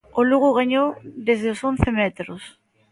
O Lugo gañou desde os once metros.